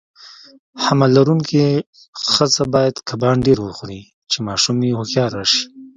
حمل لرونکي خزه باید کبان ډیر وخوري، چی ماشوم یی هوښیار راشي.